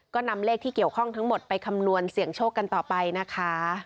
ก็นำเลขที่เกี่ยวข้องทั้งหมดไปคำนวณเสี่ยงโชคกันต่อไปนะคะ